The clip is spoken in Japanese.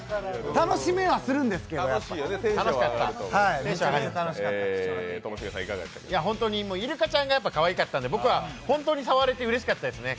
楽しめはするんですけど、やっぱりイルカちゃんがかわいかったので、僕は本当に触れてうれしかったですね！